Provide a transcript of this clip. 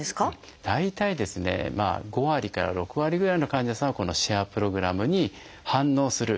大体ですね５割から６割ぐらいの患者さんはこのシェアプログラムに反応する。